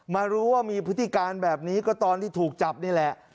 มารู้ว่ามีพฤติการแบบนี้ก็ตอนที่ถูกจับนี่แหละ